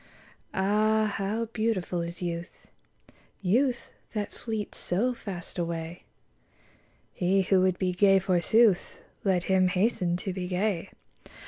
AH, how beautiful is youth, Youth that fleets so fast away 1 He who would be gay, forsooth. Let him hasten to be gay